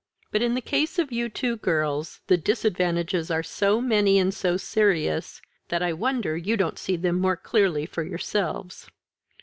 But in the case of you two girls the disadvantages are so many and so serious, that I wonder you don't see them more clearly for yourselves.